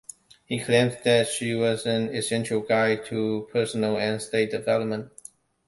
He claimed that she was an essential guide to personal and state development.